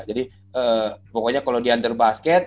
jadi pokoknya kalau di under basket